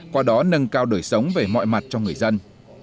qua đó nâng cao đời sống về mọi mặt cho người dân